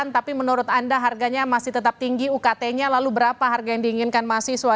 tapi menurut anda harganya masih tetap tinggi ukt nya lalu berapa harga yang diinginkan mahasiswa